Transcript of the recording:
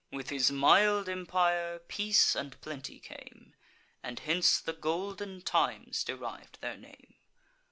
With his mild empire, peace and plenty came; And hence the golden times deriv'd their name.